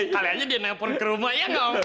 kaliannya dinepon ke rumah iya gak om